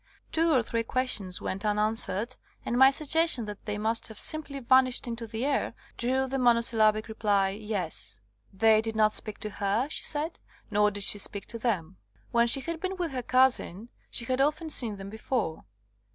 Two or three questions went unanswered, and my suggestion that they must have "simply vanished into the air" drew the monosyllabic reply, "Yes." They did not speak to her, she said, nor did she speak to them. When she had been with her cousin she had often seen them before.